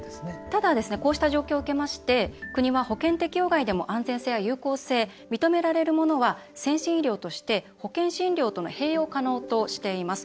ただ、こうした状況を受けまして国は保険適用外でも安全性などを認められるものは保険適用との併用可能としています。